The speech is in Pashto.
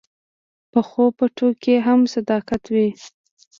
پخو پټو کې هم صداقت وي